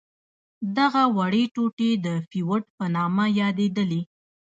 دغه وړې ټوټې د فیوډ په نامه یادیدلې.